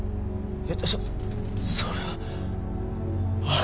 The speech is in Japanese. えっとそそれは。はあ。